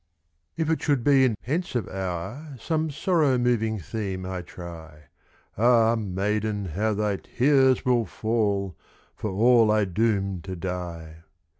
If it should be in pensive hour Some sorrow moving theme I try, Ah, maiden, how thy tears will fall, For all I doom to die!